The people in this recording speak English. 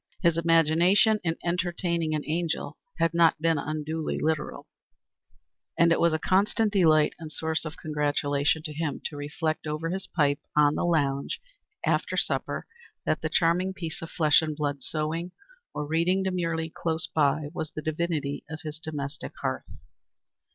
His imagination in entertaining an angel had not been unduly literal, and it was a constant delight and source of congratulation to him to reflect over his pipe on the lounge after supper that the charming piece of flesh and blood sewing or reading demurely close by was the divinity of his domestic hearth.